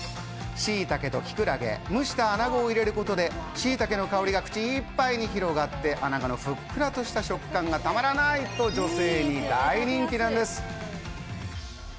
しいたけときくらげ、蒸した穴子を入れることで、しいたけの香りが口いっぱいに広がって、穴子のふっくらした食感がたまらないと、女性に大人気なんです。